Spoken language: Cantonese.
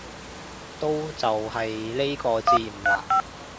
都就係呢個字唔難